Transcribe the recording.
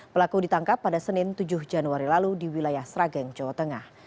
pelaku ditangkap pada senin tujuh januari lalu di wilayah srageng jawa tengah